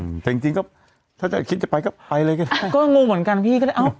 อืมแต่จริงจริงก็ถ้าจะคิดจะไปก็ไปเลยก็ได้ก็งงเหมือนกันพี่ก็เลยเอ้า